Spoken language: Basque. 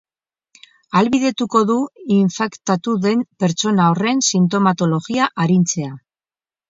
Ahalbidetuko du infektatu den pertsona horren sintomatologia arintzea.